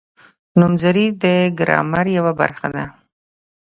نومځري د ګرامر یوه برخه ده.